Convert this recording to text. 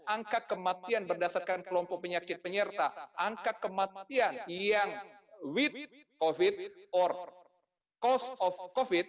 angka kematian berdasarkan kelompok penyakit penyerta angka kematian yang with covid or cost of covid